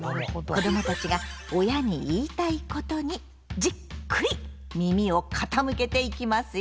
子どもたちが親に言いたいことにじっくり耳を傾けていきますよ。